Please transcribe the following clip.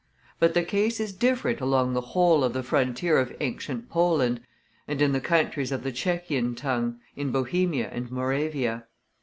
But the case is different along the whole of the frontier of ancient Poland, and in the countries of the Tschechian tongue, in Bohemia and Moravia.